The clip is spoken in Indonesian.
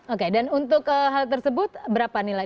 oke dan untuk hal tersebut berapa nilai